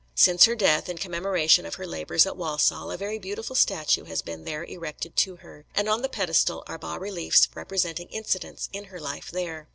Since her death, in commemoration of her labours at Walsall, a very beautiful statue has been there erected to her, and on the pedestal are bas reliefs representing incidents in her life there.